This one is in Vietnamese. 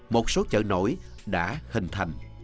một số chợ nổi đã hình thành từ hàng trăm năm nay